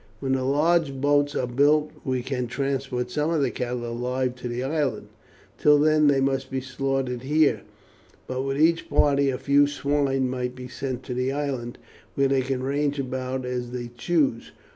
When the large boats are built we can transport some of the cattle alive to the island; till then they must be slaughtered here; but with each party a few swine might be sent to the island, where they can range about as they choose.